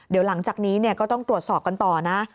เดี๋ยวหลังจากนี้ก็ต้องตรวจสอบกันต่อนะ